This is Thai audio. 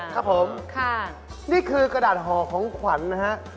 ครับผมนี่คือกระดาษห่อของขวัญนะฮะ